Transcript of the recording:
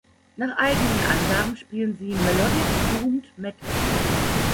Nach eigenen Angaben spielen sie "Melodic Doomed Metal".